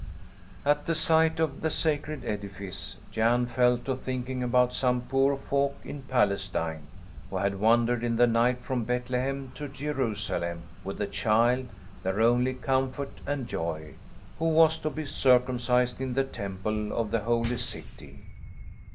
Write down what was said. At sight of the sacred edifice Jan fell to thinking about some poor folk in Palestine, who had wandered in the night from Bethlehem to Jerusalem with a child, their only comfort and joy, who was to be circumcised in the Temple of the Holy City.